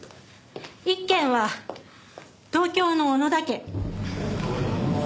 一軒は東京の小野田家。